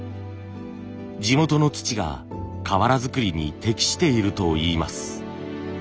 地元の土が瓦作りに適しているといいます。